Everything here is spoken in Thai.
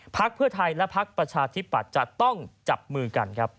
พรรคเพื่อไทยและพรรคประชาธิปัตรจะต้องจับมือกัน